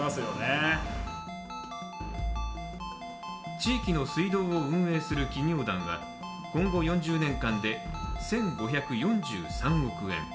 地域の水道を運営する企業団は今後４０年間で１５４３億円。